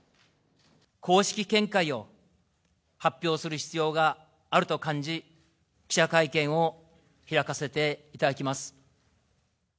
公式見解を発表する必要があると感じ、記者会見を開かせていただきます。